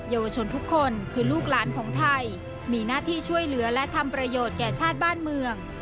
เยาวชนทุกคนคือลูกหลานของไทยมีหน้าที่ช่วยเหลือและทำประโยชน์แก่ชาติบ้านเมือง